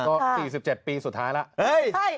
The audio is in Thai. ก็๔๗ปีสุดท้ายแล้ว